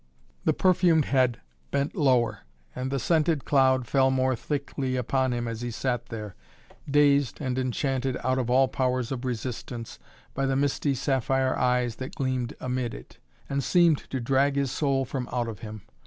The perfumed head bent lower and the scented cloud fell more thickly upon him as he sat there, dazed and enchanted out of all powers of resistance by the misty sapphire eyes that gleamed amid it, and seemed to drag his soul from out of him.